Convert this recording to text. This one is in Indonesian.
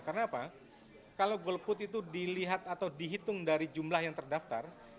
karena apa kalau golput itu dilihat atau dihitung dari jumlah yang terdaftar